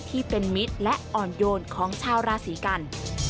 ที่เป็นมิตรและอ่อนโยนของชาวราศีกัน